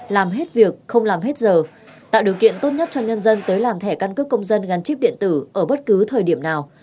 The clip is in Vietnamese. làm hết việc không làm hết giờ tạo điều kiện tốt nhất cho nhân dân tới làm thẻ căn cước công dân gắn chip điện tử ở bất cứ thời điểm nào